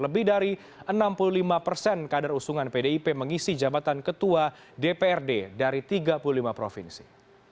lebih dari enam puluh lima persen kader usungan pdip mengisi jabatan ketua dprd dari tiga puluh lima provinsi